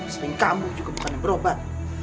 selain kamu juga bukan yang berobat